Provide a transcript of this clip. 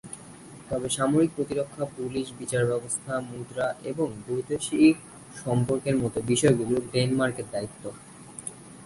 তবে সামরিক প্রতিরক্ষা, পুলিশ, বিচার ব্যবস্থা, মুদ্রা এবং বৈদেশিক সম্পর্কের মতো বিষয়গুলি ডেনমার্কের দায়িত্ব।